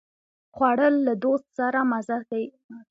خوړل له دوست سره مزه لري